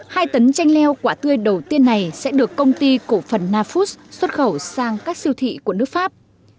hai tấn chanh leo quả tươi đầu tiên này sẽ được công ty cổ phần nafood xuất khẩu sang các siêu thị của nước pháp